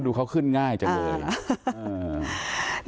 ก็ดูเขาขึ้นง่ายเจอเลย